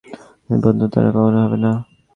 তুমি আমার বন্ধু নও, আর কক্ষনো হবেও না।